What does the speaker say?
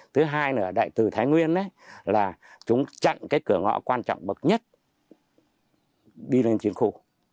thứ hai là đại tử thái nguyên chặn cửa ngõ quan trọng bậc nhất đi lên chiến khu